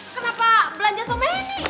kenapa belanja so many